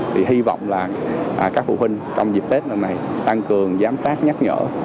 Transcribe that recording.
thì hy vọng là các phụ huynh trong dịp tết năm này tăng cường giám sát nhắc nhở